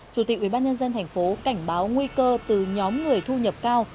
chủ tịch ubnd tp cảnh báo nguy cơ từ nhóm người thu nhập cao